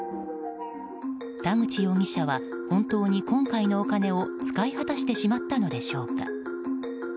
田口容疑者は本当に今回のお金を使い果たしてしまったのでしょうか。